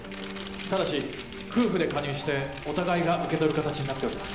ただし夫婦で加入してお互いが受け取る形になっております。